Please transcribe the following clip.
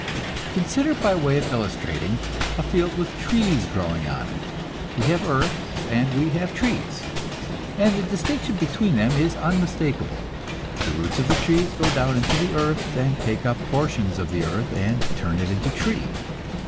Consider, by way of illustrating, a field with trees growing on it; we have earth, and we have trees, and the distinction between them is unmistakable. The roots of the trees go down into the earth, and take up portions of the earth and turn it into tree.